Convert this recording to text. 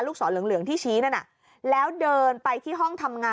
ศรเหลืองที่ชี้นั่นน่ะแล้วเดินไปที่ห้องทำงาน